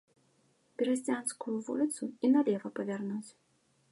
Берасцянскую вуліцу і налева павярнуць.